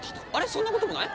そんなこともない？